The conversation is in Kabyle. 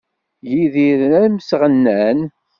Yidir d amesɣennan.